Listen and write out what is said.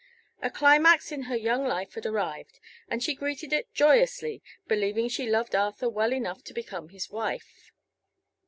A climax in her young life had arrived, and she greeted it joyously, believing she loved Arthur well enough to become his wife.